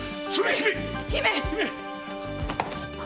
姫！